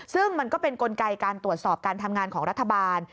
ซึ่งมันก็เป็นกลไกการตรวจสอบการทำงานของรัฐบาล